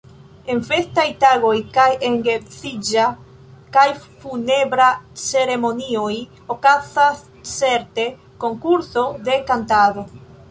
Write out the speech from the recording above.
En festaj tagoj kaj en geedziĝa kaj funebra ceremonioj okazas certe konkurso de kantado.